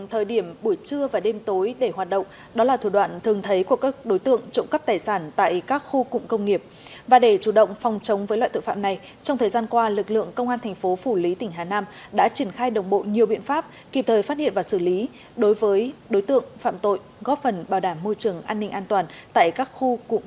họ phần bảo đảm môi trường an ninh an toàn tại các khu cụ công nghiệp giúp cho các doanh nghiệp và người lao động yên tâm phát triển sản xuất kinh doanh